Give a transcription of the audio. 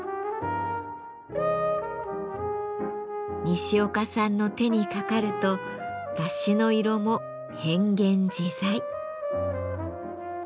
西岡さんの手にかかるとだしの色も変幻自在。